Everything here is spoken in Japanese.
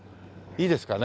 いいですか？